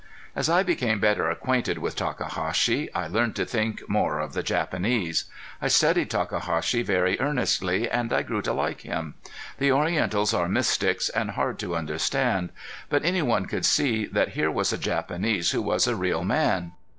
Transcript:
As I became better acquainted with Takahashi I learned to think more of the Japanese. I studied Takahashi very earnestly and I grew to like him. The Orientals are mystics and hard to understand. But any one could see that here was a Japanese who was a real man.